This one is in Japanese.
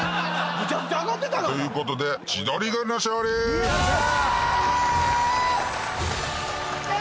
むちゃくちゃ上がってたがな！ということで千鳥軍の勝利。わ！